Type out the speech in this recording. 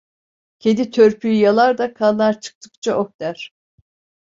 Kedi törpüyü yalar da kanlar çıktıkça oh der.